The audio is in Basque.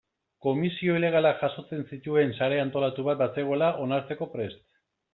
Komisio ilegalak jasotzen zituen sare antolatu bat bazegoela onartzeko prest.